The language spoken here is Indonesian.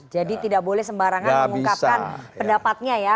jadi tidak boleh sembarangan mengungkapkan pendapatnya ya